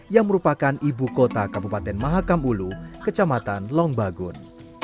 yang merupakan ibu kota kabupaten mahakam ulu kecamatan lombagun